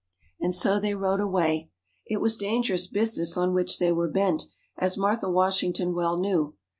And so they rode away. It was dangerous business on which they were bent, as Martha Washington well knew.